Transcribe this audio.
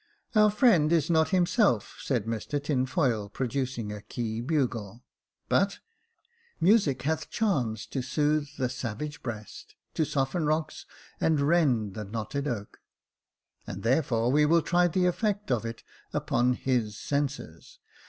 " Our friend is not himself," said Mr Tinfoil, producing a key bugle ;" but " Music hath charms to soothe the savage breast, To soften rocks, and rend the knotted oak ; and, therefore, will we try the effect of it upon his senses.